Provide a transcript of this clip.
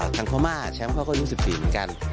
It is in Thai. ทางพม่าแชมป์เขาก็อายุ๑๔ปีเหมือนกัน